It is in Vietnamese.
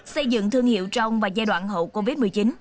xây dựng thương hiệu trong và giai đoạn hậu covid một mươi chín